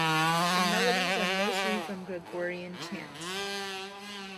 The melodies are mostly from Gregorian chant.